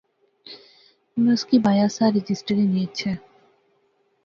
میں اُُس کی بایا سا رجسٹر ہنی اچھے